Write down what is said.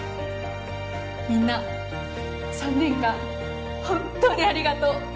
みんな３年間本当にありがとう。